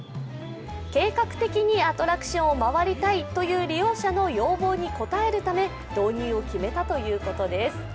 計画的にアトラクションを回りたいという利用者の要望に応えるため導入を決めたということです。